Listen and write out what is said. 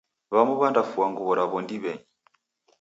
W'amu w'andafua nguw'o raw'o ndiw'enyi.